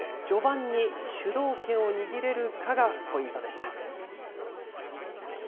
序盤に主導権を握れるかがポイントでした。